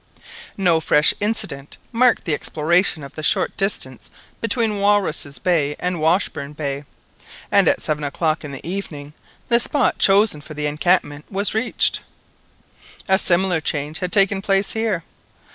No fresh incident marked the exploration of the short distance between Walruses' Bay and Washburn Bay, and at seven o'clock in the evening the spot chosen for the encampment was reached. A similar change had taken place here.